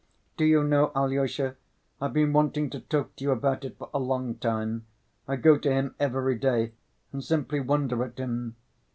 "Do you know, Alyosha, I've been wanting to talk to you about it for a long time. I go to him every day and simply wonder at him.